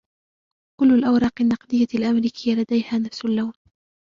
كل الأوراق النقدية الأمريكية لديها نفس اللون.